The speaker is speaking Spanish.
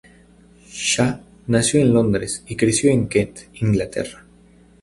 Shah nació en Londres y creció en Kent, Inglaterra.